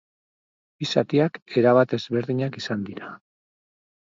Bi zatiak erabat ezberdinak izan dira.